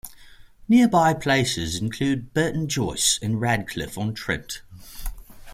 Nearby places include Burton Joyce and Radcliffe on Trent.